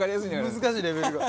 難しいレベルが。